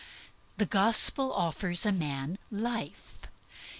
The Gospel offers a man a life.